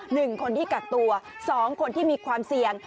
หนึ่งคนที่กักตัวสองคนที่มีความเสี่ยง